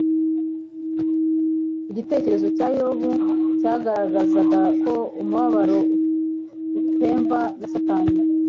Igitekerezo cya Yobu cyagaragazaga ko umubabaro utenva na Satani,